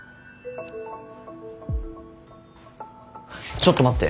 ちょっと待って。